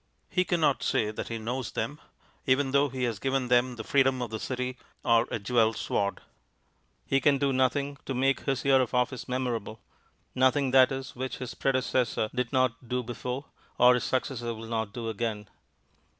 He cannot say that he knows them, even though he has given them the freedom of the City or a jewelled sword. He can do nothing to make his year of office memorable; nothing that is, which his predecessor did not do before, or his successor will not do again.